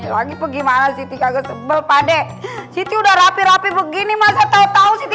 lagi gimana sih kaget sempurna deh siti udah rapi rapi begini masa tahu tahu siti